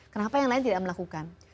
kenapa yang lain tidak melakukan